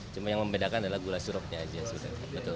cuma yang membedakan adalah gula sirupnya aja